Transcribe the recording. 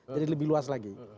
jadi lebih luas lagi